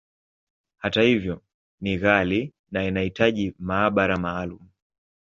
Hata hivyo, ni ghali, na inahitaji maabara maalumu.